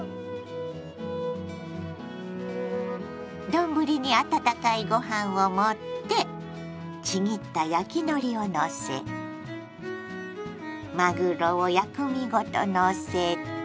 丼に温かいご飯を盛ってちぎった焼きのりをのせまぐろを薬味ごとのせて。